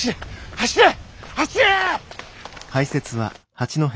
走れ！